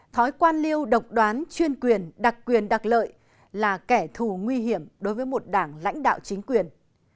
thói quan liêu độc đoán chuyên quyền đặc quyền đặc lợi là kẻ thù nguy hiểm đối với một đảng lãnh đạo chính quyền